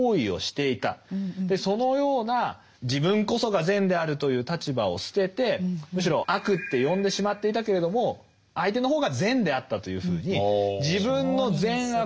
そのような「自分こそが善であるという立場を捨ててむしろ悪って呼んでしまっていたけれども相手の方が善であった」というふうに自分の善悪の判断基準もひっくり返す。